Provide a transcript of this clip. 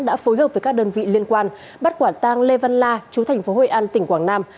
đã phối hợp với các đơn vị liên quan bắt quả tang lê văn la chú thành phố hội an tỉnh quảng nam